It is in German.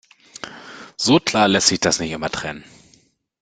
So klar lässt sich das nicht immer trennen.